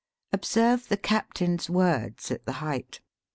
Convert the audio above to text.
Observe tiie captain's words, at the height.